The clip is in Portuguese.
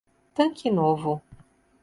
Tanque Novo